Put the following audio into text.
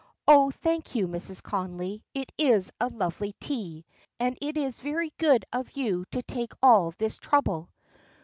"Oh, thank you, Mrs. Connolly; it is a lovely tea, and it is very good of you to take all this trouble."